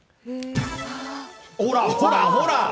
ほらほらほら。